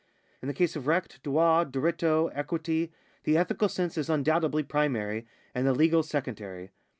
In the case of recJit, droit, diritto, equity, the ethical sense is undoubtedly primary, and the legal secondary.